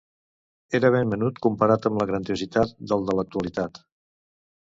Era ben menut comparat amb la grandiositat del de l'actualitat.